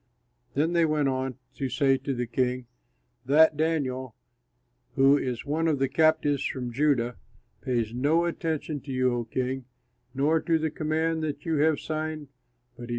Then they went on to say to the king, "That Daniel, who is one of the captives from Judah, pays no attention to you, O king, nor to the command that you have signed, but prays three times a day."